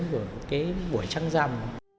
của cái buổi trăng rằm